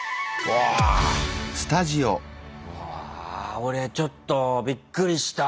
わあ俺ちょっとびっくりした！